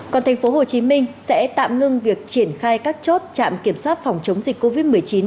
còn tp hcm sẽ tạm ngưng việc triển khai các chốt trạm kiểm soát phòng chống dịch covid một mươi chín